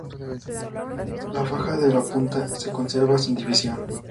La faja de la punta se conserva sin división.